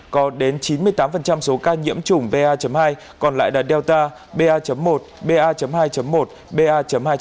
có đến chín mươi tám số ca nhiễm chủng va hai còn lại là delta ba một ba hai một ba hai